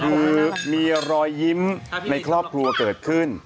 คือมีรอยยิ้มในครอบครัวเกิดขึ้น